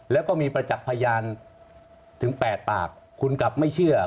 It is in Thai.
แล้วก็มีประจักษ์พยานถึง๘ปากคุณกลับไม่เชื่อ